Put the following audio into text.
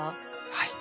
はい。